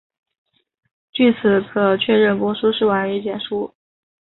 据此可确认帛书是晚于简书。